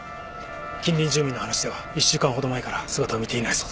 近隣住民の話では１週間ほど前から姿を見ていないそうです。